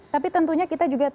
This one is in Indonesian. tapi tentunya kita juga